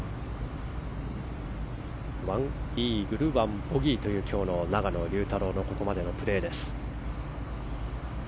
１イーグル、１ボギーという今日の永野竜太郎のここまでのプレーです。